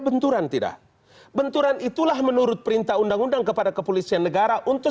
benturan tidak benturan itulah menurut perintah undang undang kepada kepolisian negara untuk